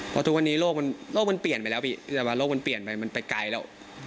เพราะทุกวันนี้โลกมันเปลี่ยนไปแล้วพี่แต่ว่าโลกมันเปลี่ยนไปมันไปไกลแล้ว